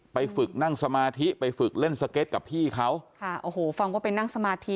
ไปฝึกนั่งสมาธิไปฝึกเล่นสเก็ตกับพี่เขาค่ะโอ้โหฟังว่าไปนั่งสมาธิ